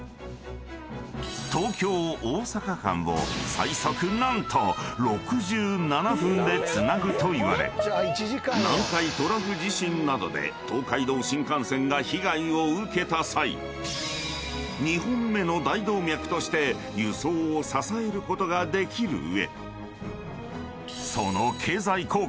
［最速何と６７分でつなぐといわれ南海トラフ地震などで東海道新幹線が被害を受けた際２本目の大動脈として輸送を支えることができる上］